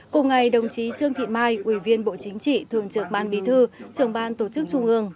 cùng ngày đồng chí trương thị mai ủy viên bộ chính trị thường trực ban bí thư trường ban tổ chức trung ương